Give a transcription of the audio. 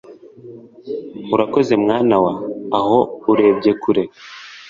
urakoze mwana wa aho urebye kure